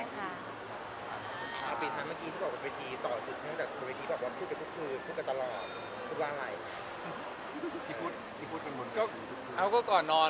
ก็เป็นกำลังใจให้เรามาตลอด